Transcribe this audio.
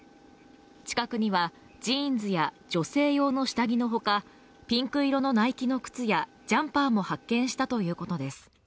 近くにはジーンズや女性用の下着のほかピンク色のナイキの靴やジャンパーも発見したということです